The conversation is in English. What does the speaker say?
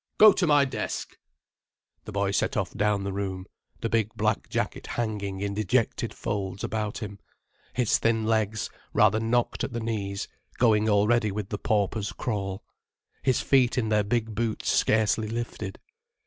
"Go to my desk." The boy set off down the room, the big black jacket hanging in dejected folds about him, his thin legs, rather knocked at the knees, going already with the pauper's crawl, his feet in their big boots scarcely lifted.